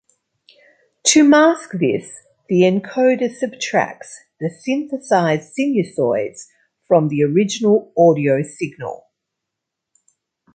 To mask this, the encoder subtracts the synthesized sinusoids from the original audio signal.